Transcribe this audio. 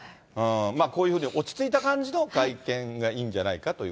こういうふうに落ち着いた感じの会見がいいんじゃないかという。